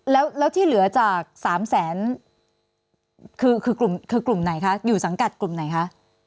แล้วที่เหลือจาก๓แสนคือกลุ่มคือกลุ่มไหนคะอยู่สังกัดกลุ่มไหนคะ